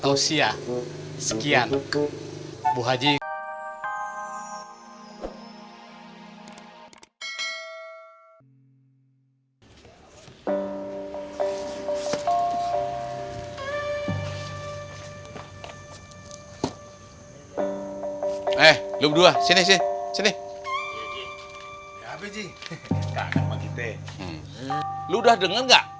usia sekian buku bu haji eh lu dua sini sini sini lu udah dengar nggak berita yang paling terbaru